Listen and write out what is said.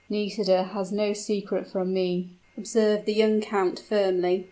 "Nisida has no secret from me," observed the young count, firmly.